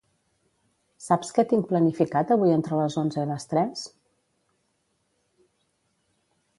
Saps què tinc planificat avui entre les onze i les tres?